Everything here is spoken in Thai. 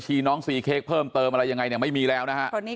เช่นนี้ก็อย่างนี้ครับ